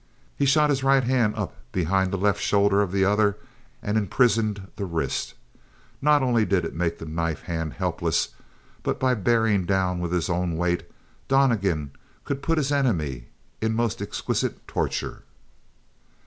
He shot his right hand up behind the left shoulder of the other and imprisoned the wrist. Not only did it make the knife hand helpless, but by bearing down with his own weight Donnegan could put his enemy in most exquisite torture.